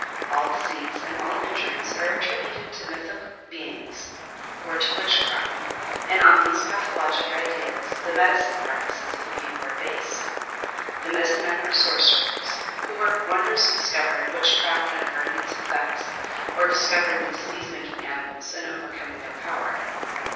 All disease and all injuries are attributed to mythic beings or to witchcraft, and on these pathologic ideas the medicine practices of the people are based. The medicine men are sorcerers, who work wonders in discovering witchcraft and averting its effects or in discovering the disease making animals and overcoming their power.